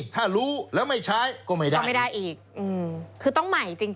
ถ้ารู้แล้วไม่ใช้ก็ไม่ได้ก็ไม่ได้อีกคือต้องใหม่จริง